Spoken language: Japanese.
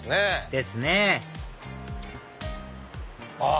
ですねあっ